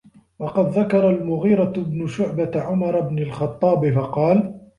وَقَدْ ذَكَرَ الْمُغِيرَةُ بْنُ شُعْبَةَ عُمَرَ بْنَ الْخَطَّابِ فَقَالَ